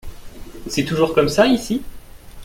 C’est toujours comme ça ici ?